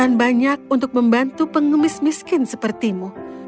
aku tidak akan lakukan banyak untuk membantu pengemis miskin sepertimu